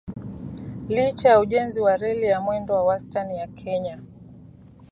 Licha ya ujenzi wa reli ya mwendo wa wastan ya Kenya